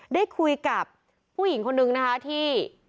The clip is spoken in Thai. ได้คุยกับผู้หญิงคนนึงนะคะที่